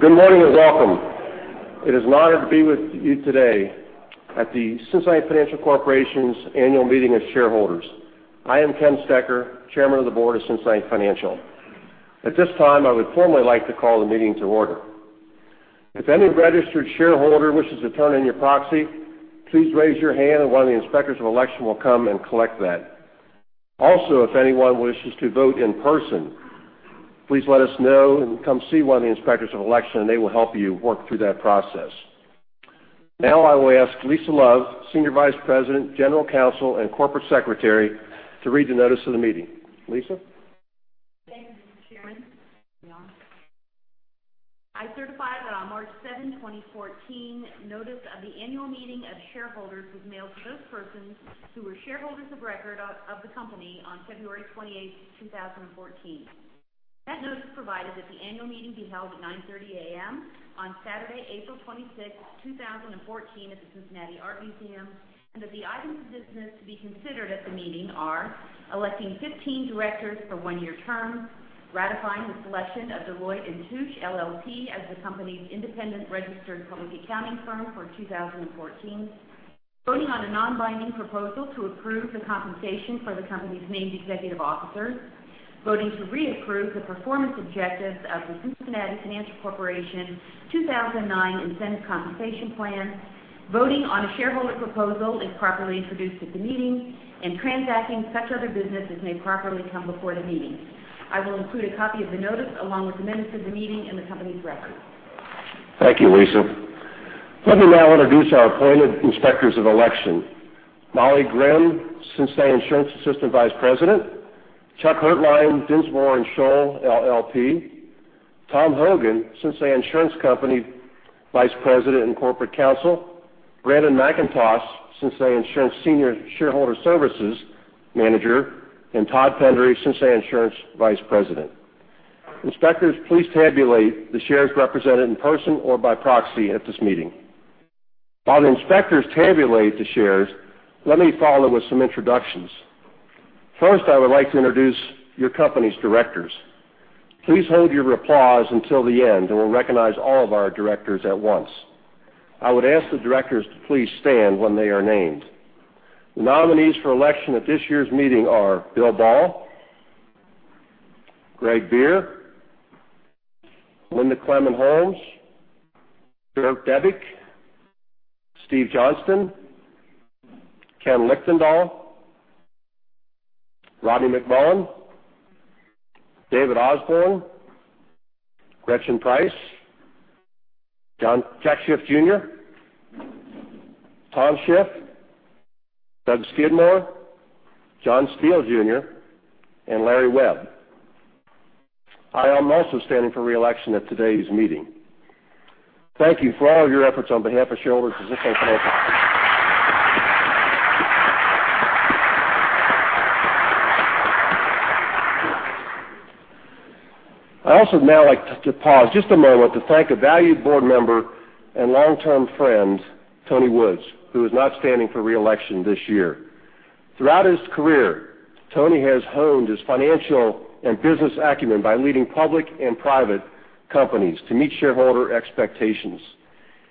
Well, good morning and welcome. It is an honor to be with you today at the Cincinnati Financial Corporation's annual meeting of shareholders. I am Ken Stecher, Chairman of the Board of Cincinnati Financial. At this time, I would formally like to call the meeting to order. If any registered shareholder wishes to turn in your proxy, please raise your hand and one of the inspectors of election will come and collect that. Also, if anyone wishes to vote in person, please let us know and come see one of the inspectors of election, and they will help you work through that process. Now I will ask Lisa Love, Senior Vice President, General Counsel, and Corporate Secretary, to read the notice of the meeting. Lisa? Thank you, Mr. Chairman. I certify that on March 7, 2014, notice of the annual meeting of shareholders was mailed to those persons who were shareholders of record of the company on February 28, 2014. That notice provided that the annual meeting be held at 9:30 A.M. on Saturday, April 26, 2014, at the Cincinnati Art Museum, and that the items of business to be considered at the meeting are: electing 15 directors for one-year terms, ratifying the selection of Deloitte & Touche LLP as the company's independent registered public accounting firm for 2014, voting on a non-binding proposal to approve the compensation for the company's named executive officers, voting to reapprove the performance objectives of the Cincinnati Financial Corporation 2009 Incentive Compensation Plan, voting on a shareholder proposal, if properly introduced at the meeting, and transacting such other business as may properly come before the meeting. I will include a copy of the notice along with the minutes of the meeting in the company's records. Thank you, Lisa. Let me now introduce our appointed inspectors of election. Molly Grimm, Cincinnati Insurance Assistant Vice President, Chuck Hertlein, Dinsmore & Shohl LLP, Tom Hogan, Cincinnati Insurance Company Vice President and Corporate Counsel, Brandon McIntosh, Cincinnati Insurance Senior Shareholder Services Manager, and Todd Pendery, Cincinnati Insurance Vice President. Inspectors, please tabulate the shares represented in person or by proxy at this meeting. While the inspectors tabulate the shares, let me follow with some introductions. First, I would like to introduce your company's directors. Please hold your applause until the end, and we'll recognize all of our directors at once. I would ask the directors to please stand when they are named. The nominees for election at this year's meeting are Bill Bahl, Greg Bier, Linda Clement-Holmes, Dirk Debbink, Steve Johnston, Ken Lichtendahl, Rodney McMullen, David Osborn, Gretchen Price, John Jack Schiff Jr., Tom Schiff, Doug Skidmore, John Steele Jr., and Larry Webb. I am also standing for re-election at today's meeting. Thank you for all your efforts on behalf of shareholders of Cincinnati Financial. I also now like to pause just a moment to thank a valued board member and long-term friend, Tony Woods, who is not standing for re-election this year. Throughout his career, Tony has honed his financial and business acumen by leading public and private companies to meet shareholder expectations.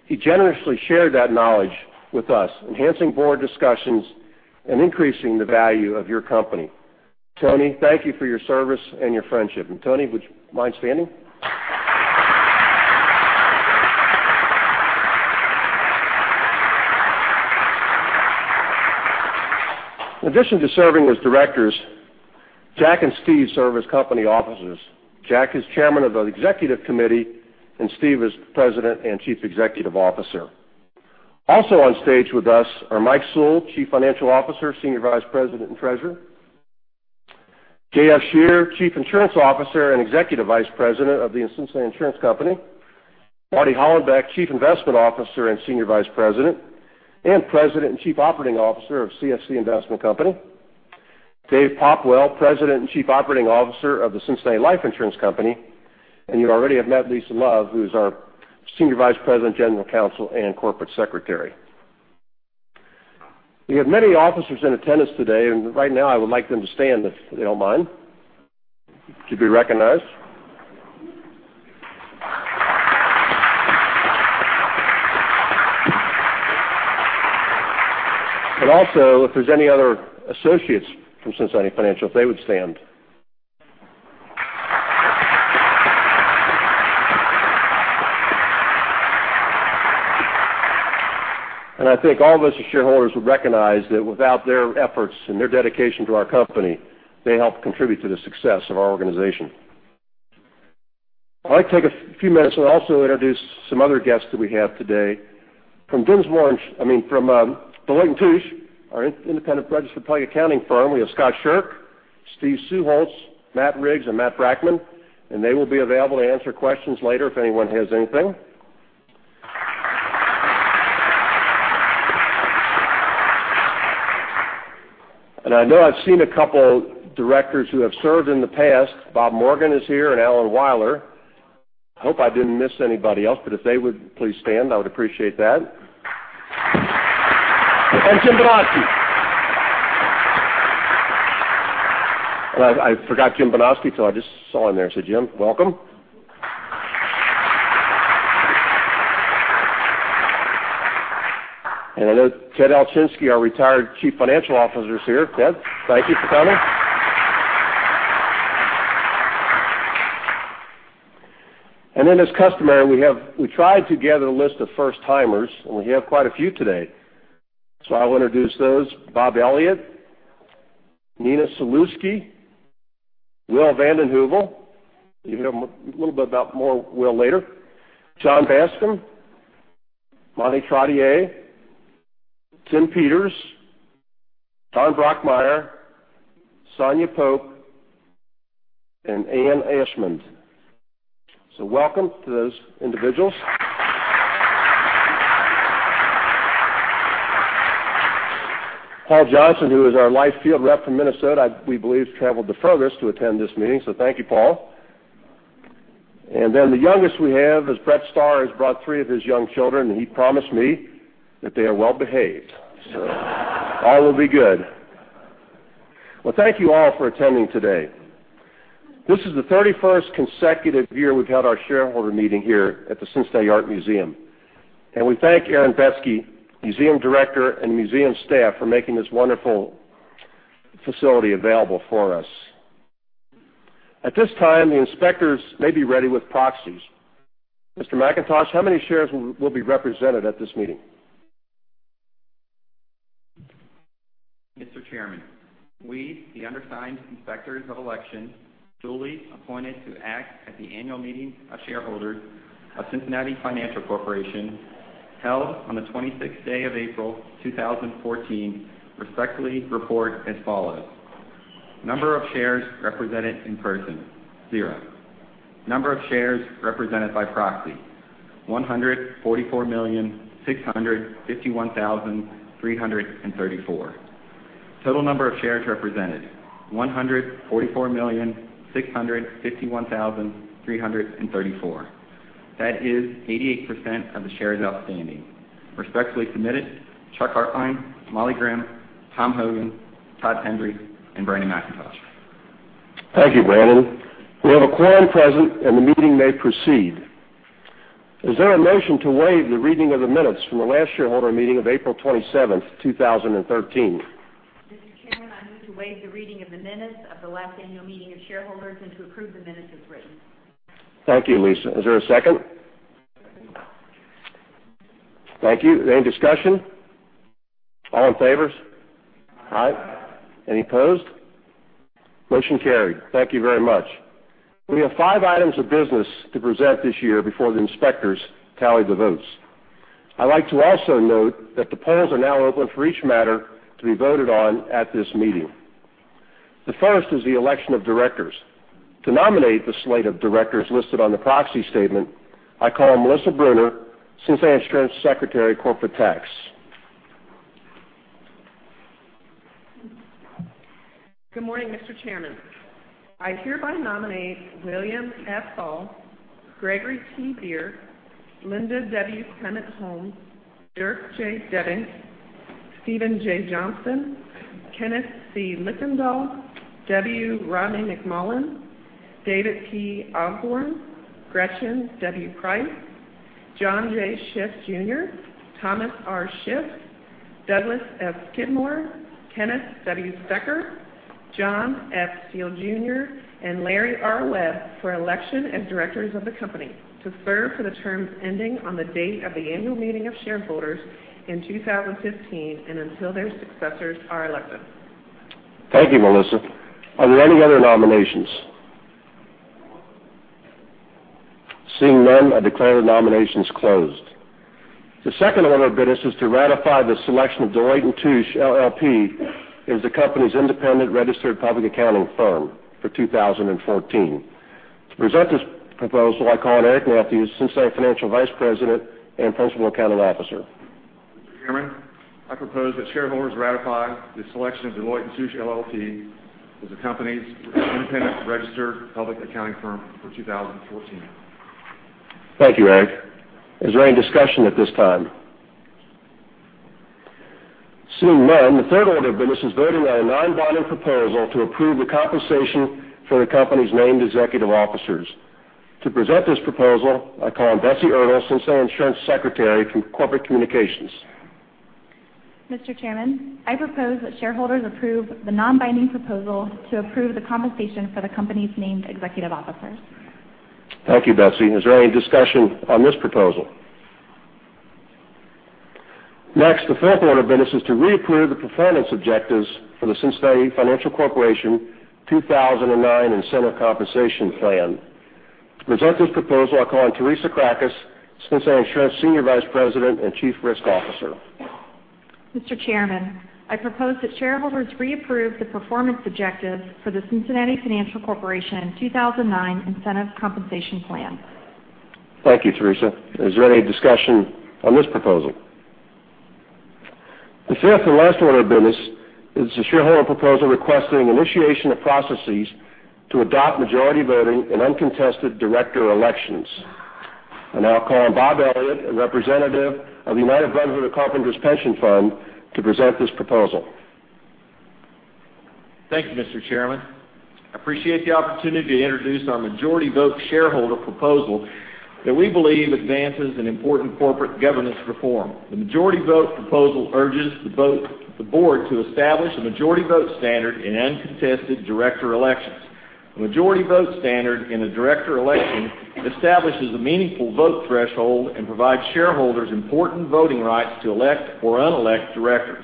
He generously shared that knowledge with us, enhancing board discussions and increasing the value of your company. Tony, thank you for your service and your friendship. Tony, would you mind standing? In addition to serving as Directors, Jack and Steve serve as company officers. Jack is Chairman of the Executive Committee, and Steve is President and Chief Executive Officer. Also on stage with us are Mike Sewell, Chief Financial Officer, Senior Vice President, and Treasurer. J.F. Scherer, Chief Insurance Officer and Executive Vice President of The Cincinnati Insurance Company. Marty Hollenbeck, Chief Investment Officer and Senior Vice President, and President and Chief Operating Officer of CFC Investment Company. Dave Popplewell, President and Chief Operating Officer of The Cincinnati Life Insurance Company. You already have met Lisa Love, who is our Senior Vice President, General Counsel, and Corporate Secretary. We have many officers in attendance today, and right now I would like them to stand, if they don't mind, to be recognized. Also, if there is any other associates from Cincinnati Financial, if they would stand. I think all of us as shareholders would recognize that without their efforts and their dedication to our company, they help contribute to the success of our organization. I would like to take a few minutes and also introduce some other guests that we have today. From Deloitte & Touche, our independent registered public accounting firm, we have Scott Shirk, Steve Suholtz, Matt Riggs, and Matt Brackman. They will be available to answer questions later if anyone has anything. I know I have seen a couple Directors who have served in the past. Bob Morgan is here and Alan Weiler. I hope I didn't miss anybody else, but if they would please stand, I would appreciate that. And Jim Banowsky. I forgot Jim Banowsky till I just saw him there. Jim, welcome. I know Ted Altschulsky, our retired Chief Financial Officer, is here. Ted, thank you for coming. Then as customary, we tried to gather a list of first-timers, and we have quite a few today. I will introduce those. Bob Elliott, Nina Sulewski, Will VandeHeuvel. You will hear a little bit about more Will later. John Bascom, Monty Trottier, Tim Peters, Don Brockmeier, Sonya Pope, and Ann Ashmund. Welcome to those individuals. Paul Johnson, who is our life field rep from Minnesota, we believe traveled the furthest to attend this meeting. Thank you, Paul. Then the youngest we have is Brett Starr, who has brought three of his young children, and he promised me that they are well-behaved. All will be good. Thank you all for attending today. This is the 31st consecutive year we have held our shareholder meeting here at the Cincinnati Art Museum. We thank Aaron Betsky, museum director, and museum staff for making this wonderful facility available for us. At this time, the inspectors may be ready with proxies. Mr. McIntosh, how many shares will be represented at this meeting? Mr. Chairman, we, the undersigned inspectors of election, duly appointed to act at the annual meeting of shareholders of Cincinnati Financial Corporation held on the 26th day of April, 2014, respectfully report as follows. Number of shares represented in person, zero. Number of shares represented by proxy, 144,651,334. Total number of shares represented, 144,651,334. That is 88% of the shares outstanding. Respectfully submitted, Chuck Hertlein, Molly Grimm, Tom Hogan, Todd Pendery, and Brandon McIntosh. Thank you, Brandon. We have a quorum present, and the meeting may proceed. Is there a motion to waive the reading of the minutes from the last shareholder meeting of April 27th, 2013? Mr. Chairman, I move to waive the reading of the minutes of the last annual meeting of shareholders and to approve the minutes as written. Thank you, Lisa. Is there a second? Thank you. Is there any discussion? All in favor? Aye. Any opposed? Motion carried. Thank you very much. We have five items of business to present this year before the inspectors tally the votes. I'd like to also note that the polls are now open for each matter to be voted on at this meeting. The first is the election of directors. To nominate the slate of directors listed on the proxy statement, I call Melissa Brunner, Cincinnati Insurance Secretary of Corporate Tax. Good morning, Mr. Chairman. I hereby nominate William F. Bahl, Gregory T. Bier, Linda W. Clement-Holmes, Dirk J. Debbink, Steven J. Johnston, Kenneth C. Lichtendahl, W. Rodney McMullen, David P. Osborn, Gretchen W. Price, John J. Schiff Jr., Thomas R. Schiff, Douglas S. Skidmore, Kenneth W. Stecher, John F. Steele Jr., and Larry R. Webb for election as directors of the company to serve for the terms ending on the date of the annual meeting of shareholders in 2015 and until their successors are elected. Thank you, Melissa. Are there any other nominations? Seeing none, I declare the nominations closed. The second order of business is to ratify the selection of Deloitte & Touche LLP as the company's independent registered public accounting firm for 2014. To present this proposal, I call on Eric Mathews, Cincinnati Financial Vice President and Principal Accounting Officer. Mr. Chairman, I propose that shareholders ratify the selection of Deloitte & Touche LLP as the company's independent registered public accounting firm for 2014. Thank you, Eric. Is there any discussion at this time? Seeing none, the third order of business is voting on a non-binding proposal to approve the compensation for the company's named executive officers. To present this proposal, I call on Betsy Ertel, Cincinnati Insurance Secretary for Corporate Communications. Mr. Chairman, I propose that shareholders approve the non-binding proposal to approve the compensation for the company's named executive officers. Thank you, Betsy. Is there any discussion on this proposal? The fourth order of business is to reapprove the performance objectives for the Cincinnati Financial Corporation 2009 Incentive Compensation Plan. To present this proposal, I call on Teresa Cracas, Cincinnati Insurance Senior Vice President and Chief Risk Officer. Mr. Chairman, I propose that shareholders reapprove the performance objectives for the Cincinnati Financial Corporation 2009 Incentive Compensation Plan. Thank you, Teresa. Is there any discussion on this proposal? The fifth and last order of business is the shareholder proposal requesting initiation of processes to adopt majority voting in uncontested director elections. I now call on Bob Elliott, a representative of the United Brotherhood of Carpenters Pension Fund, to present this proposal. Thank you, Mr. Chairman. I appreciate the opportunity to introduce our majority vote shareholder proposal that we believe advances an important corporate governance reform. The majority vote proposal urges the board to establish a majority vote standard in uncontested director elections. A majority vote standard in a director election establishes a meaningful vote threshold and provides shareholders important voting rights to elect or un-elect directors.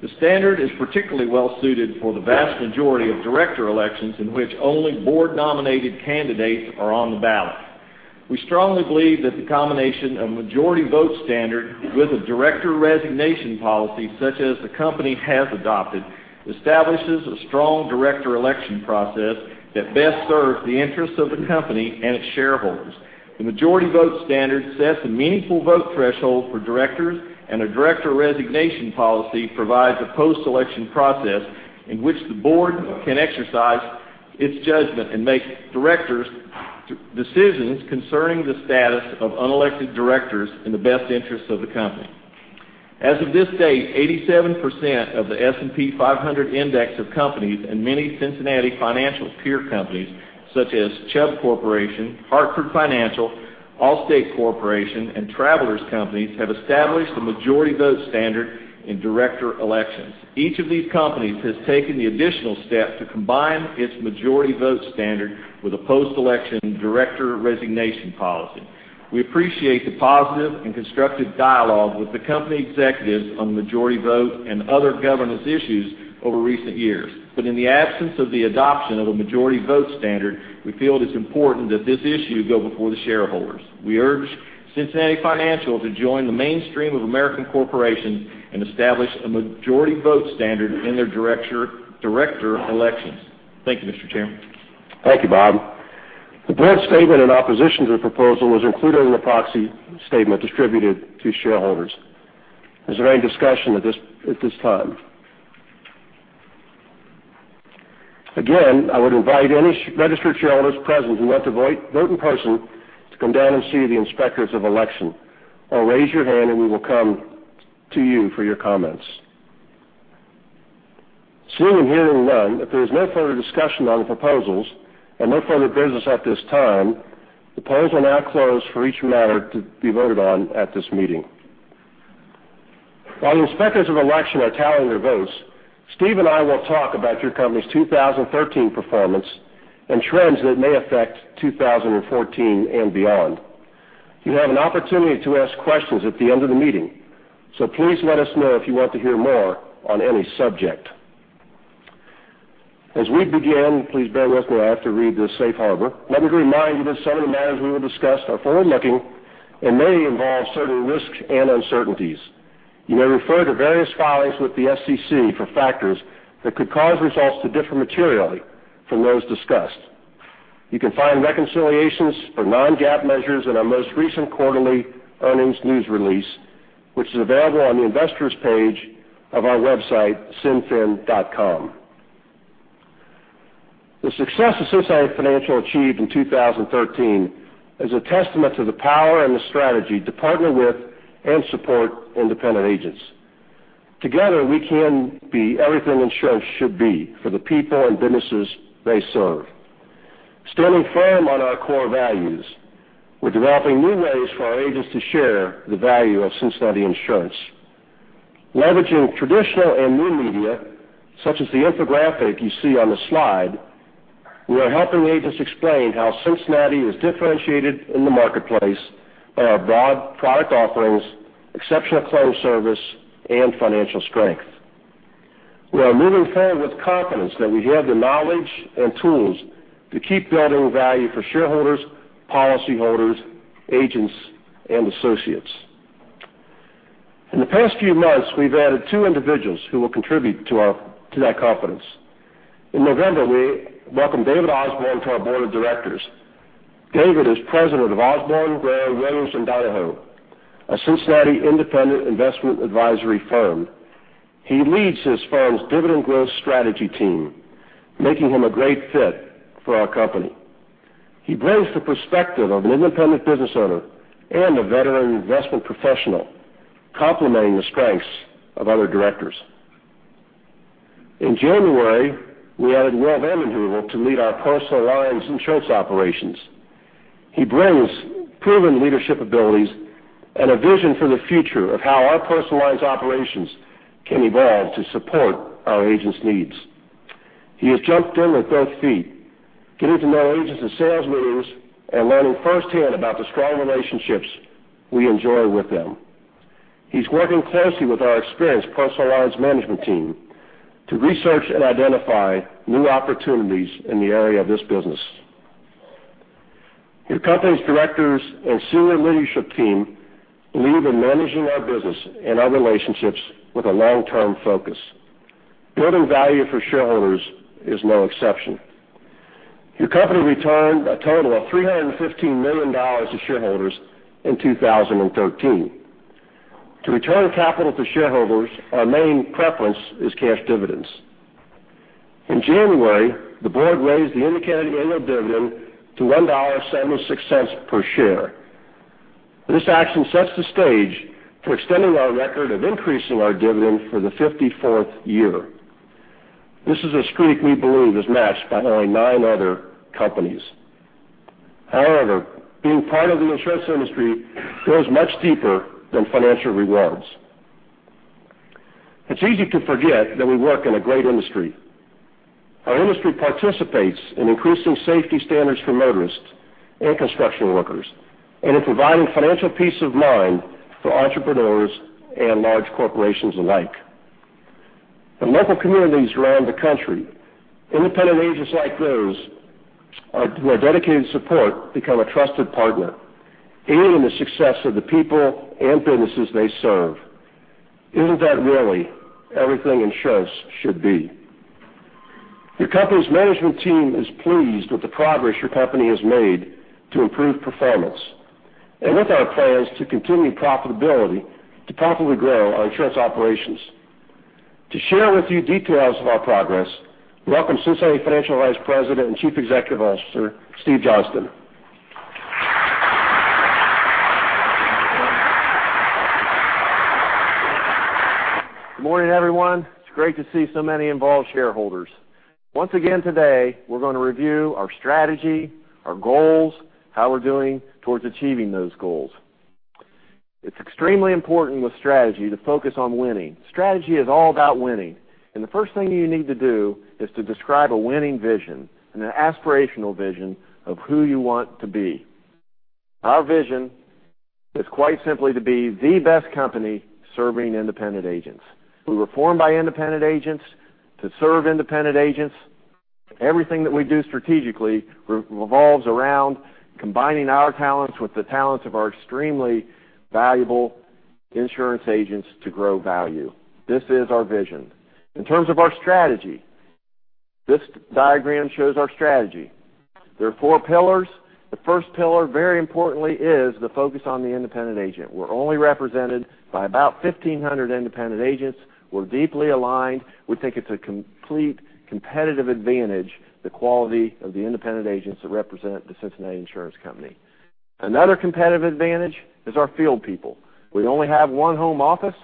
The standard is particularly well-suited for the vast majority of director elections in which only board-nominated candidates are on the ballot. We strongly believe that the combination of majority vote standard with a director resignation policy, such as the company has adopted, establishes a strong director election process that best serves the interests of the company and its shareholders. The majority vote standard sets a meaningful vote threshold for directors, and a director resignation policy provides a post-election process in which the board can exercise its judgment and make decisions concerning the status of unelected directors in the best interests of the company. As of this date, 87% of the S&P 500 index of companies and many Cincinnati Financial peer companies, such as Chubb Corporation, Hartford Financial, Allstate Corporation, and Travelers Companies, have established a majority vote standard in director elections. Each of these companies has taken the additional step to combine its majority vote standard with a post-election director resignation policy. We appreciate the positive and constructive dialogue with the company executives on majority vote and other governance issues over recent years. In the absence of the adoption of a majority vote standard, we feel it is important that this issue go before the shareholders. We urge Cincinnati Financial to join the mainstream of American corporations and establish a majority vote standard in their director elections. Thank you, Mr. Chairman. Thank you, Bob. The board's statement in opposition to the proposal is included in the proxy statement distributed to shareholders. Is there any discussion at this time? Again, I would invite any registered shareholders present who want to vote in person to come down and see the Inspectors of Election or raise your hand, and we will come to you for your comments. Seeing and hearing none, if there is no further discussion on the proposals and no further business at this time, the polls will now close for each matter to be voted on at this meeting. While the Inspectors of Election are tallying your votes, Steve and I will talk about your company's 2013 performance and trends that may affect 2014 and beyond. You have an opportunity to ask questions at the end of the meeting, so please let us know if you want to hear more on any subject. As we begin, please bear with me. I have to read this safe harbor. Let me remind you that some of the matters we will discuss are forward-looking and may involve certain risks and uncertainties. You may refer to various filings with the SEC for factors that could cause results to differ materially from those discussed. You can find reconciliations for non-GAAP measures in our most recent quarterly earnings news release, which is available on the investors page of our website, cincfin.com. The success that Cincinnati Financial achieved in 2013 is a testament to the power and the strategy to partner with and support independent agents. Together, we can be everything insurance should be for the people and businesses they serve. Standing firm on our core values, we're developing new ways for our agents to share the value of Cincinnati Insurance. Leveraging traditional and new media, such as the infographic you see on the slide, we are helping agents explain how Cincinnati is differentiated in the marketplace by our broad product offerings, exceptional claims service, and financial strength. We are moving forward with confidence that we have the knowledge and tools to keep building value for shareholders, policyholders, agents, and associates. In the past few months, we've added two individuals who will contribute to that confidence. In November, we welcomed David Osborn to our board of directors. David is president of Osborn, Dennis, and Ramey in Idaho, a Cincinnati independent investment advisory firm. He leads his firm's dividend growth strategy team, making him a great fit for our company. He brings the perspective of an independent business owner and a veteran investment professional, complementing the strengths of other directors. In January, we added Will VandeHeuvel to lead our personal lines insurance operations. He brings proven leadership abilities and a vision for the future of how our personal lines operations can evolve to support our agents' needs. He has jumped in with both feet, getting to know agents in sales meetings and learning firsthand about the strong relationships we enjoy with them. He's working closely with our experienced personal lines management team to research and identify new opportunities in the area of this business. Your company's directors and senior leadership team believe in managing our business and our relationships with a long-term focus. Building value for shareholders is no exception. Your company returned a total of $315 million to shareholders in 2013. To return capital to shareholders, our main preference is cash dividends. In January, the board raised the indicated annual dividend to $1.76 per share. This action sets the stage for extending our record of increasing our dividend for the 54th year. This is a streak we believe is matched by only nine other companies. However, being part of the insurance industry goes much deeper than financial rewards. It's easy to forget that we work in a great industry. Our industry participates in increasing safety standards for motorists and construction workers, and in providing financial peace of mind for entrepreneurs and large corporations alike. For local communities around the country, independent agents like those who are dedicated support become a trusted partner, aiding in the success of the people and businesses they serve. Isn't that really everything insurance should be? Your company's management team is pleased with the progress your company has made to improve performance, and with our plans to continue profitability to profitably grow our insurance operations. To share with you details of our progress, welcome Cincinnati Financial Vice President and Chief Executive Officer, Steve Johnston. Good morning, everyone. It's great to see so many involved shareholders. Once again today, we're going to review our strategy, our goals, how we're doing towards achieving those goals. It's extremely important with strategy to focus on winning. Strategy is all about winning. The first thing you need to do is to describe a winning vision and an aspirational vision of who you want to be. Our vision is quite simply to be the best company serving independent agents. We were formed by independent agents to serve independent agents. Everything that we do strategically revolves around combining our talents with the talents of our extremely valuable insurance agents to grow value. This is our vision. In terms of our strategy, this diagram shows our strategy. There are four pillars. The first pillar, very importantly, is the focus on the independent agent. We're only represented by about 1,500 independent agents. We're deeply aligned. We think it's a complete competitive advantage, the quality of the independent agents that represent The Cincinnati Insurance Company. Another competitive advantage is our field people. We only have one home office.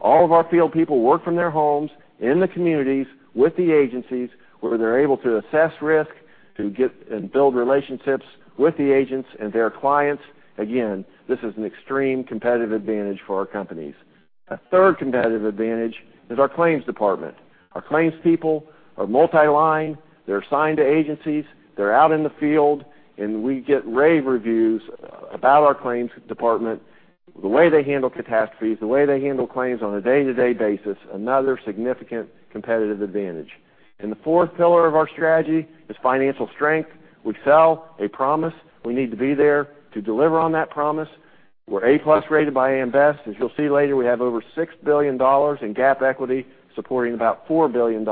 All of our field people work from their homes in the communities with the agencies where they're able to assess risk, to get and build relationships with the agents and their clients. Again, this is an extreme competitive advantage for our companies. A third competitive advantage is our claims department. Our claims people are multi-line. They're assigned to agencies. They're out in the field, and we get rave reviews about our claims department, the way they handle catastrophes, the way they handle claims on a day-to-day basis, another significant competitive advantage. The fourth pillar of our strategy is financial strength. We sell a promise. We need to be there to deliver on that promise. We're A+ rated by AM Best. As you'll see later, we have over $6 billion in GAAP equity supporting about $4 billion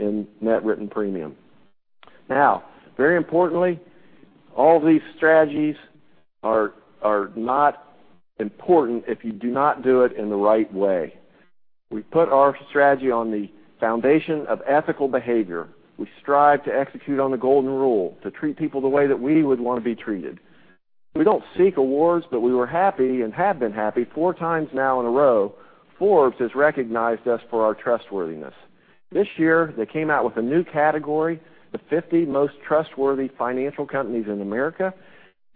in net written premium. Very importantly, all these strategies are not important if you do not do it in the right way. We put our strategy on the foundation of ethical behavior. We strive to execute on the golden rule, to treat people the way that we would want to be treated. We don't seek awards, but we were happy and have been happy four times now in a row, Forbes has recognized us for our trustworthiness. This year, they came out with a new category, America's 50 Most Trustworthy Financial Companies.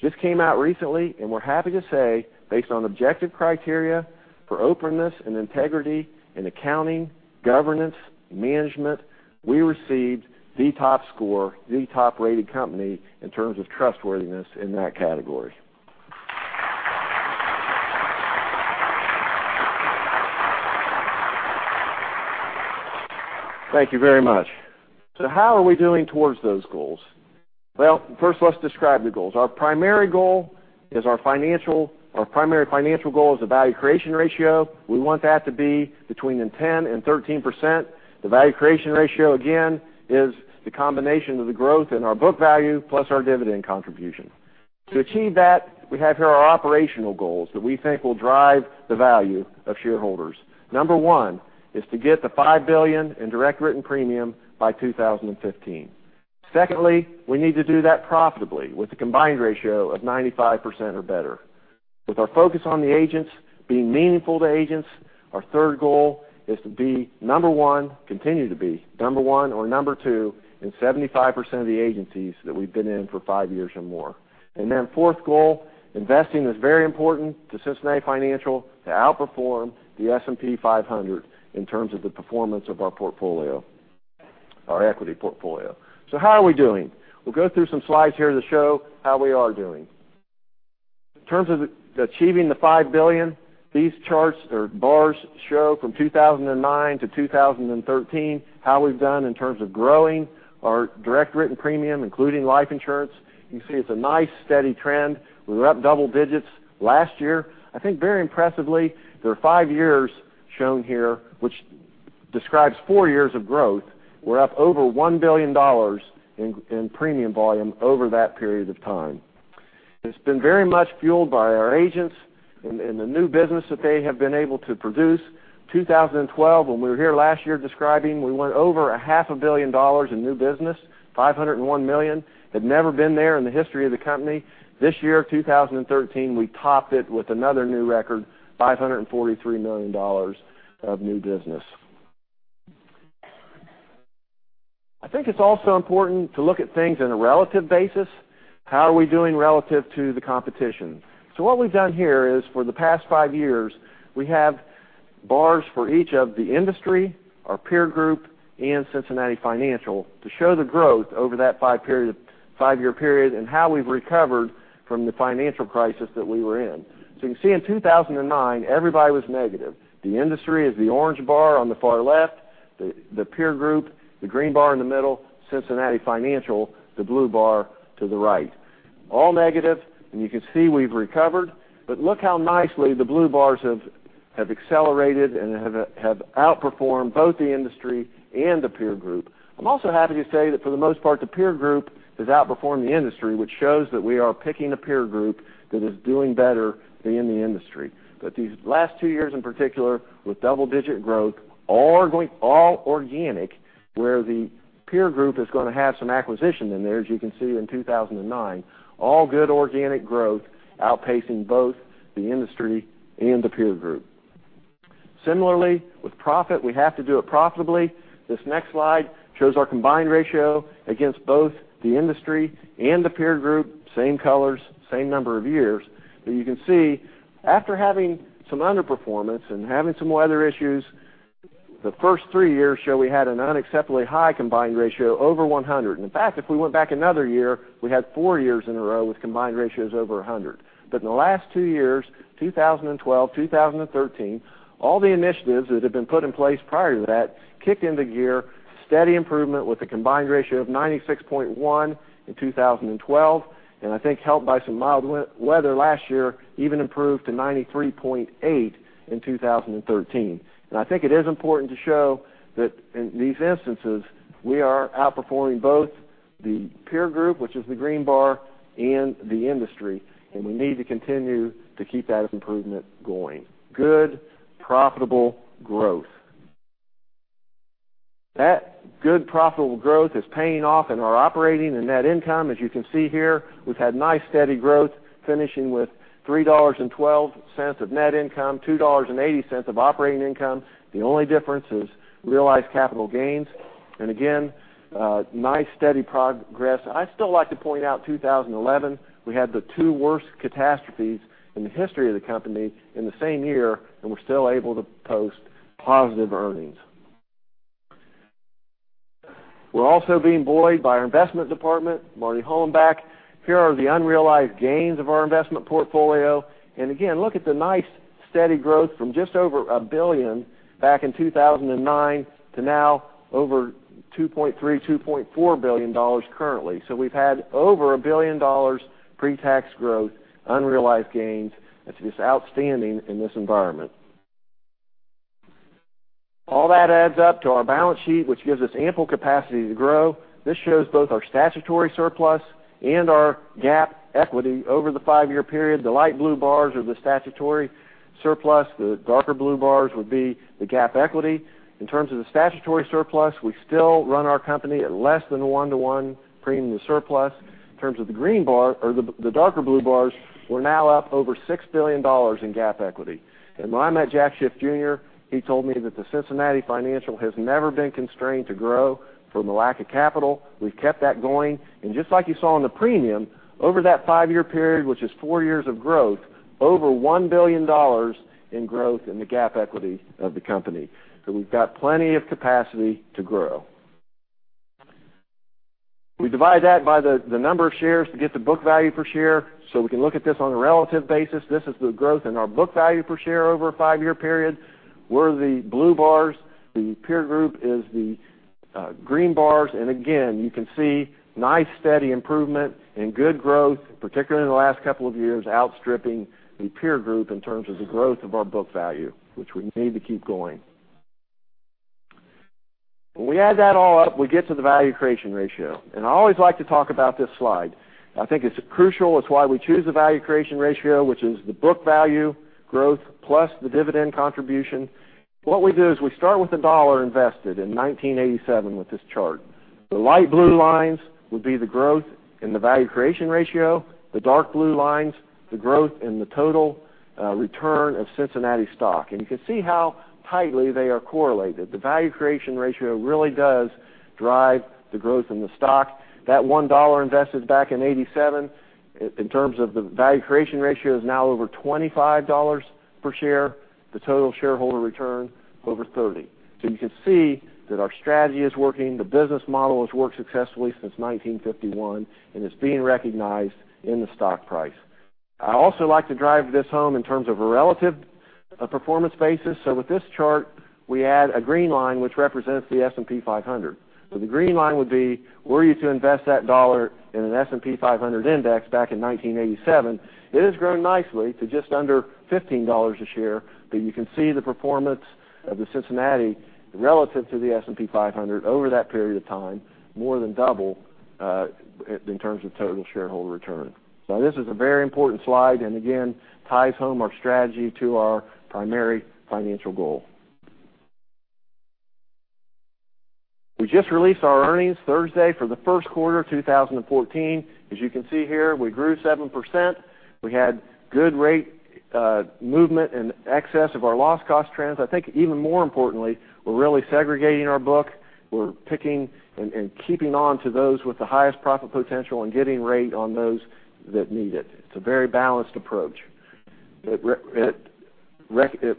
Just came out recently, we're happy to say, based on objective criteria for openness and integrity in accounting, governance, management, we received the top score, the top-rated company in terms of trustworthiness in that category. Thank you very much. How are we doing towards those goals? Well, first, let's describe the goals. Our primary financial goal is the value creation ratio. We want that to be between 10%-13%. The value creation ratio, again, is the combination of the growth in our book value plus our dividend contribution. To achieve that, we have here our operational goals that we think will drive the value of shareholders. Number 1 is to get the $5 billion in direct written premium by 2015. Secondly, we need to do that profitably with a combined ratio of 95% or better. With our focus on the agents, being meaningful to agents, our third goal is to be Number 1, continue to be Number 1 or Number 2 in 75% of the agencies that we've been in for five years or more. Fourth goal, investing is very important to Cincinnati Financial to outperform the S&P 500 in terms of the performance of our portfolio, our equity portfolio. How are we doing? We'll go through some slides here to show how we are doing. In terms of achieving the $5 billion, these charts or bars show from 2009 to 2013 how we've done in terms of growing our direct written premium, including life insurance. You can see it's a nice steady trend. We were up double digits last year. I think very impressively, there are five years shown here, which describes four years of growth. We're up over $1 billion in premium volume over that period of time. It's been very much fueled by our agents and the new business that they have been able to produce. 2012, when we were here last year describing, we went over a half a billion dollars in new business, $501 million. Had never been there in the history of the company. This year, 2013, we topped it with another new record, $543 million of new business. I think it's also important to look at things in a relative basis. How are we doing relative to the competition? What we've done here is, for the past five years, we have bars for each of the industry, our peer group, and Cincinnati Financial to show the growth over that five-year period and how we've recovered from the financial crisis that we were in. You can see in 2009, everybody was negative. The industry is the orange bar on the far left, the peer group, the green bar in the middle, Cincinnati Financial, the blue bar to the right. All negative, you can see we've recovered. Look how nicely the blue bars have accelerated and have outperformed both the industry and the peer group. I'm also happy to say that for the most part, the peer group has outperformed the industry, which shows that we are picking a peer group that is doing better than the industry. These last two years in particular, with double-digit growth, all organic, where the peer group is going to have some acquisition in there, as you can see in 2009. All good organic growth outpacing both the industry and the peer group. Similarly, with profit, we have to do it profitably. This next slide shows our combined ratio against both the industry and the peer group. Same colors, same number of years. You can see, after having some underperformance and having some weather issues, the first three years show we had an unacceptably high combined ratio over 100. In fact, if we went back another year, we had four years in a row with combined ratios over 100. In the last two years, 2012, 2013, all the initiatives that had been put in place prior to that kicked into gear, steady improvement with a combined ratio of 96.1 in 2012, and I think helped by some mild weather last year, even improved to 93.8 in 2013. I think it is important to show that in these instances, we are outperforming both the peer group, which is the green bar, and the industry, we need to continue to keep that improvement going. Good, profitable growth. That good profitable growth is paying off in our operating and net income. As you can see here, we've had nice steady growth, finishing with $3.12 of net income, $2.80 of operating income. The only difference is realized capital gains. Again, nice steady progress. I still like to point out 2011. We had the two worst catastrophes in the history of the company in the same year, we're still able to post positive earnings. We're also being buoyed by our investment department, Marty Hollenbeck. Here are the unrealized gains of our investment portfolio. Again, look at the nice steady growth from just over $1 billion back in 2009 to now over $2.3 billion, $2.4 billion currently. We've had over $1 billion pre-tax growth, unrealized gains. It's just outstanding in this environment. All that adds up to our balance sheet, which gives us ample capacity to grow. This shows both our statutory surplus and our GAAP equity over the five-year period. The light blue bars are the statutory surplus. The darker blue bars would be the GAAP equity. In terms of the statutory surplus, we still run our company at less than a one-to-one premium to surplus. In terms of the green bar or the darker blue bars, we're now up over $6 billion in GAAP equity. When I met Jack Schiff Jr., he told me that Cincinnati Financial has never been constrained to grow from a lack of capital. We've kept that going. Just like you saw in the premium, over that five-year period, which is four years of growth, over $1 billion in growth in the GAAP equity of the company, we've got plenty of capacity to grow. We divide that by the number of shares to get the book value per share. We can look at this on a relative basis. This is the growth in our book value per share over a five-year period. We're the blue bars. The peer group is the green bars. Again, you can see nice, steady improvement and good growth, particularly in the last couple of years, outstripping the peer group in terms of the growth of our book value, which we need to keep going. When we add that all up, we get to the value creation ratio. I always like to talk about this slide. I think it's crucial. It's why we choose the value creation ratio, which is the book value growth plus the dividend contribution. What we do is we start with $1 invested in 1987 with this chart. The light blue lines would be the growth in the value creation ratio, the dark blue lines, the growth in the total return of Cincinnati stock. You can see how tightly they are correlated. The value creation ratio really does drive the growth in the stock. That $1 invested back in 1987 in terms of the value creation ratio is now over $25 per share. The total shareholder return over $30. You can see that our strategy is working. The business model has worked successfully since 1951, and it's being recognized in the stock price. I also like to drive this home in terms of a relative performance basis. With this chart, we add a green line which represents the S&P 500. The green line would be, were you to invest that $1 in an S&P 500 index back in 1987, it has grown nicely to just under $15 a share, but you can see the performance of the Cincinnati relative to the S&P 500 over that period of time, more than double in terms of total shareholder return. This is a very important slide, and again, ties home our strategy to our primary financial goal. We just released our earnings Thursday for the first quarter 2014. As you can see here, we grew 7%. We had good rate movement in excess of our loss cost trends. I think even more importantly, we're really segregating our book. We're picking and keeping on to those with the highest profit potential and getting rate on those that need it. It's a very balanced approach. It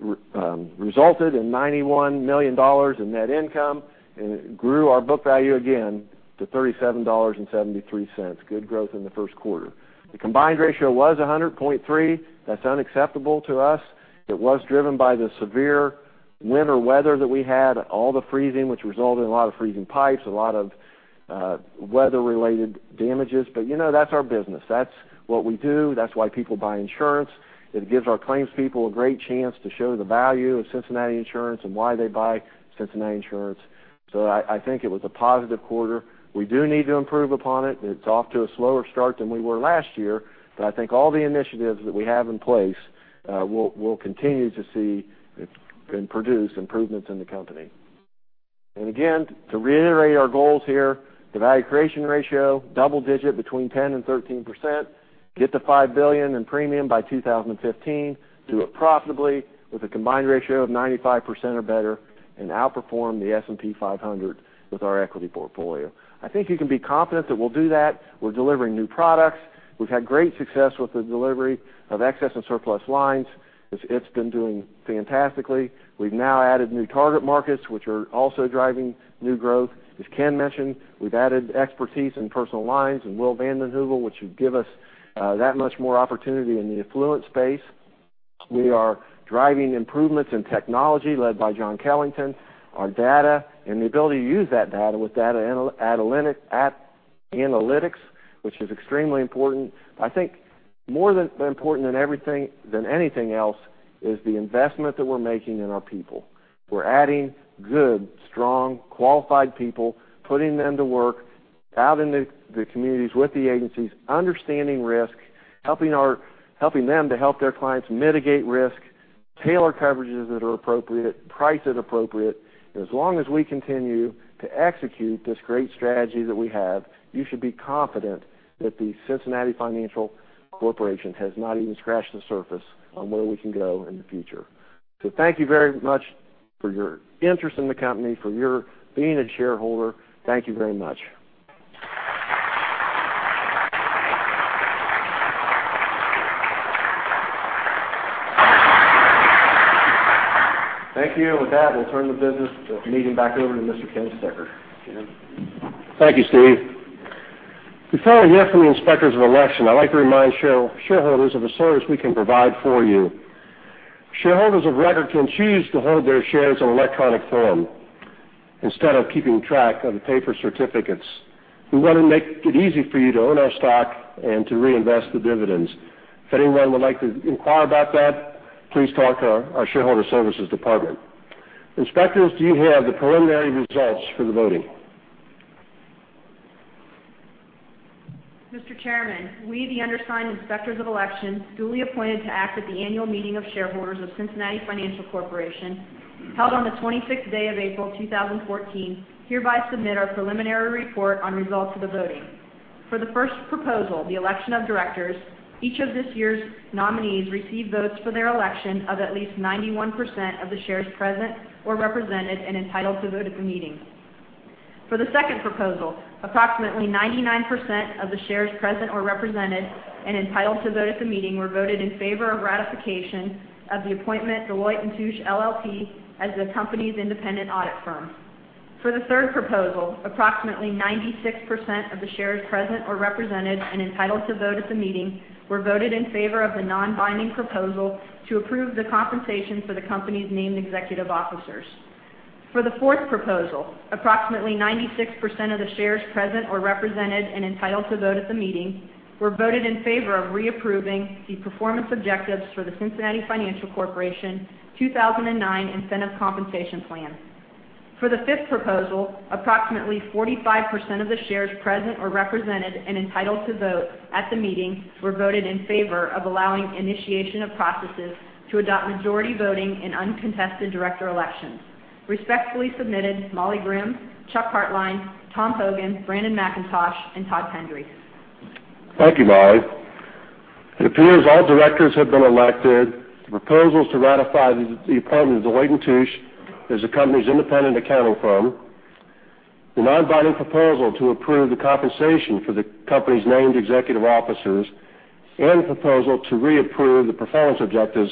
resulted in $91 million in net income and it grew our book value again to $37.73. Good growth in the first quarter. The combined ratio was 100.3. That's unacceptable to us. It was driven by the severe winter weather that we had, all the freezing, which resulted in a lot of freezing pipes, a lot of weather-related damages. That's our business. That's what we do. That's why people buy insurance. It gives our claims people a great chance to show the value of Cincinnati Insurance and why they buy Cincinnati Insurance. I think it was a positive quarter. We do need to improve upon it. It's off to a slower start than we were last year, but I think all the initiatives that we have in place will continue to see and produce improvements in the company. Again, to reiterate our goals here, the value creation ratio, double digit between 10% and 13%, get to $5 billion in premium by 2015, do it profitably with a combined ratio of 95% or better, and outperform the S&P 500 with our equity portfolio. I think you can be confident that we'll do that. We're delivering new products. We've had great success with the delivery of excess and surplus lines. It's been doing fantastically. We've now added new target markets, which are also driving new growth. As Ken mentioned, we've added expertise in personal lines and Will VandeHeuvel, which should give us that much more opportunity in the affluent space. We are driving improvements in technology led by John Kellington. Our data and the ability to use that data with analytics, which is extremely important. I think more important than anything else is the investment that we're making in our people. We're adding good, strong, qualified people, putting them to work out in the communities with the agencies, understanding risk, helping them to help their clients mitigate risk, tailor coverages that are appropriate, price it appropriate. As long as we continue to execute this great strategy that we have, you should be confident that Cincinnati Financial Corporation has not even scratched the surface on where we can go in the future. Thank you very much for your interest in the company, for your being a shareholder. Thank you very much. Thank you. With that, we'll turn the business meeting back over to Mr. Ken Stecher. Ken. Thank you, Steve. We've heard yes from the inspectors of election. I'd like to remind shareholders of a service we can provide for you. Shareholders of record can choose to hold their shares in electronic form instead of keeping track of the paper certificates. We want to make it easy for you to own our stock and to reinvest the dividends. If anyone would like to inquire about that, please talk to our shareholder services department. Inspectors, do you have the preliminary results for the voting? Mr. Chairman, we, the undersigned inspectors of election, duly appointed to act at the annual meeting of shareholders of Cincinnati Financial Corporation, held on the 26th day of April, 2014, hereby submit our preliminary report on results of the voting. For the first proposal, the election of directors, each of this year's nominees received votes for their election of at least 91% of the shares present or represented and entitled to vote at the meeting. For the second proposal, approximately 99% of the shares present or represented and entitled to vote at the meeting were voted in favor of ratification of the appointment Deloitte & Touche LLP as the company's independent audit firm. For the third proposal, approximately 96% of the shares present or represented and entitled to vote at the meeting were voted in favor of the non-binding proposal to approve the compensation for the company's named executive officers. For the fourth proposal, approximately 96% of the shares present or represented and entitled to vote at the meeting were voted in favor of reapproving the performance objectives for the Cincinnati Financial Corporation 2009 Incentive Compensation Plan. For the fifth proposal, approximately 45% of the shares present or represented and entitled to vote at the meeting were voted in favor of allowing initiation of processes to adopt majority voting in uncontested director elections. Respectfully submitted, Molly Grimm, Chuck Hertlein, Tom Hogan, Brandon McIntosh, and Todd Pendery. Thank you, Molly. It appears all directors have been elected. The proposals to ratify the appointment of Deloitte & Touche as the company's independent accounting firm, the non-binding proposal to approve the compensation for the company's named executive officers, and the proposal to reapprove the performance objectives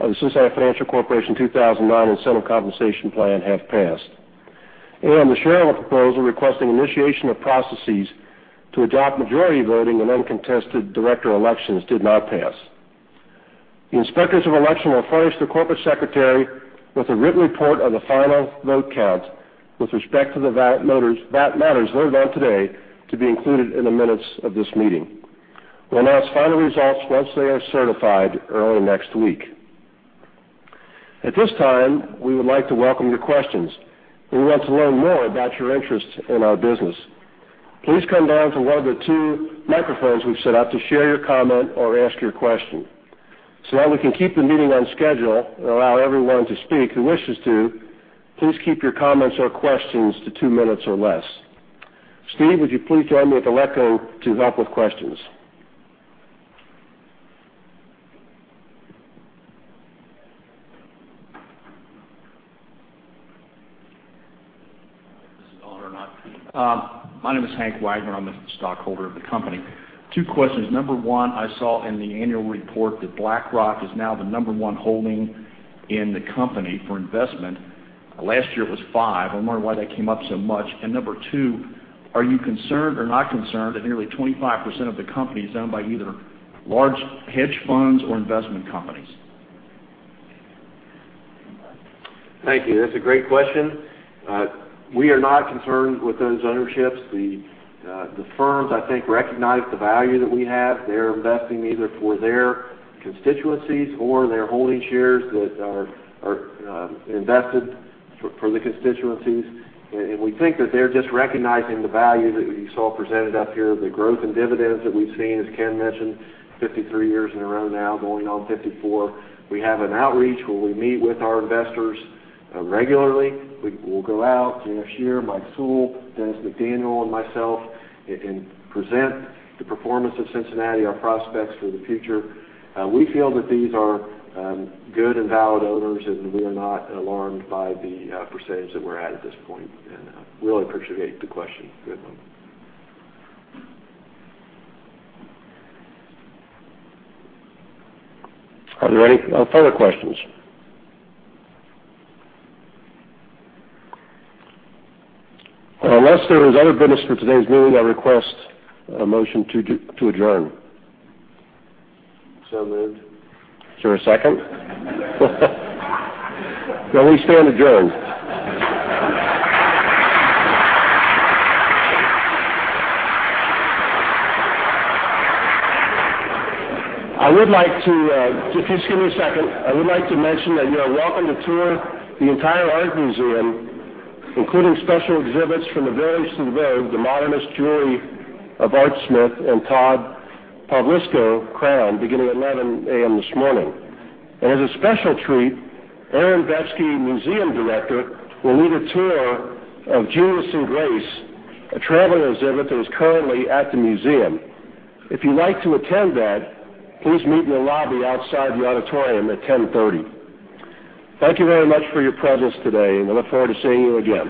of the Cincinnati Financial Corporation 2009 Incentive Compensation Plan have passed. The shareholder proposal requesting initiation of processes to adopt majority voting in uncontested director elections did not pass. The inspectors of election will furnish the corporate secretary with a written report of the final vote count with respect to the matters voted on today to be included in the minutes of this meeting. We'll announce final results once they are certified early next week. At this time, we would like to welcome your questions. We want to learn more about your interest in our business. Please come down to one of the two microphones we've set up to share your comment or ask your question. That we can keep the meeting on schedule and allow everyone to speak who wishes to, please keep your comments or questions to two minutes or less. Steve, would you please join me at the lectern to help with questions? Is this on or not? My name is Hank Wagner. I am a stockholder of the company. Two questions. Number 1, I saw in the annual report that BlackRock is now the number 1 holding in the company for investment. Last year, it was five. I wonder why that came up so much. Number 2, are you concerned or not concerned that nearly 25% of the company is owned by either large hedge funds or investment companies? Thank you. That's a great question. We are not concerned with those ownerships. The firms, I think, recognize the value that we have. They're investing either for their constituencies or their holding shares that are invested for the constituencies. We think that they're just recognizing the value that you saw presented up here, the growth in dividends that we've seen, as Ken mentioned, 53 years in a row now, going on 54. We have an outreach where we meet with our investors regularly. We'll go out, Jim Scherer, Mike Sewell, Dennis McDaniel, and myself, and present the performance of Cincinnati, our prospects for the future. We feel that these are good and valid owners, and we are not alarmed by the percentage that we're at this point. Really appreciate the question. Good one. Are there any further questions? Unless there is other business for today's meeting, I request a motion to adjourn. Moved. Is there a second? We stand adjourned. Just give me a second. I would like to mention that you are welcome to tour the entire art museum, including special exhibits "From the Village to the Vogue: The Modernist Jewelry of Art Smith" and "Todd Pavlisko: Crown," beginning at 11:00 A.M. this morning. As a special treat, Aaron Betsky, museum director, will lead a tour of "Genius and Grace," a traveling exhibit that is currently at the museum. If you'd like to attend that, please meet in the lobby outside the auditorium at 10:30 A.M. Thank you very much for your presence today, and we look forward to seeing you again.